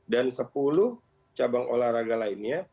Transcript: dan sepuluh cabang olahraga lainnya